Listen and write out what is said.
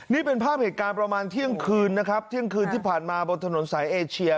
นี่เป็นภาพเหตุการณ์ประมาณเที่ยงคืนนะครับเที่ยงคืนที่ผ่านมาบนถนนสายเอเชีย